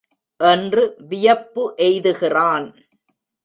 என்று வியப்பு எய்துகிறான்.